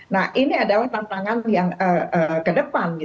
nah ini adalah tantangan yang kedepan